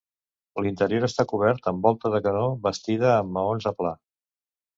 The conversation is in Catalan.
L'interior està cobert amb volta de canó bastida amb maons a pla.